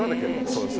そうです。